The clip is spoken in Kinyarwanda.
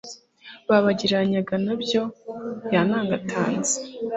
babagereranyaga na byo yantangatanze